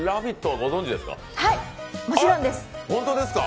ご存じですか？